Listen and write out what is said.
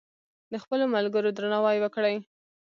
د خپلو ملګرو درناوی وکړئ.